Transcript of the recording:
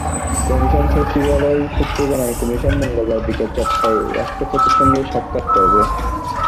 Commission সচিবালয় সূত্র জানায়, কমিশন মঙ্গলবার বিকেল চারটায় রাষ্ট্রপতির সঙ্গে সাক্ষাত্ করবে।